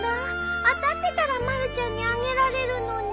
当たってたらまるちゃんにあげられるのに。